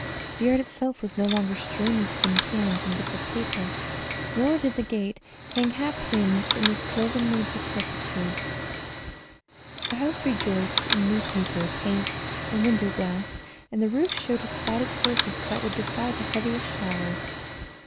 The yard itself was no longer strewn with tin cans and bits of paper, nor did the gate hang half hinged in slovenly decrepitude. The house rejoiced in new paper, paint, and window glass, and the roof showed a spotted surface that would defy the heaviest shower.